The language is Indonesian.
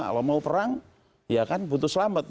kalau mau perang ya kan butuh selamat